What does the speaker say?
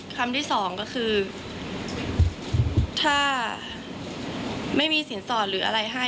คำที่สองก็คือถ้าไม่มีสินสอดหรืออะไรให้